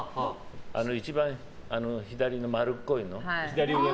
一番左の、丸っこいの。